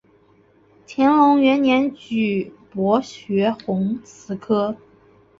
乾隆元年举博学鸿词科。